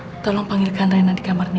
bula ras tolong panggilkan rena di kamarnya ya